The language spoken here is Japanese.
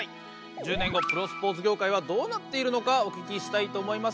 １０年後プロスポーツ業界はどうなっているのかお聞きしたいと思います。